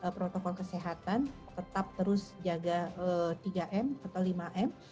protokol kesehatan tetap terus jaga tiga m atau lima m